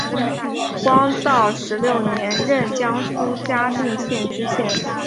道光十六年任江苏嘉定县知县。